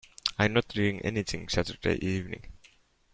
I'm not doing anything Saturday evening.